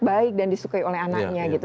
baik dan disukai oleh anaknya gitu